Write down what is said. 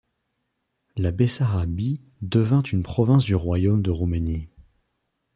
La Bessarabie devint une province du royaume de Roumanie.